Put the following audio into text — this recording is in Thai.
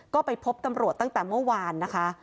ก็ไปพบตำรวจตั้งแต่เมื่อวานนะคะ